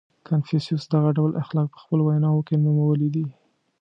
• کنفوسیوس دغه ډول اخلاق په خپلو ویناوو کې نومولي دي.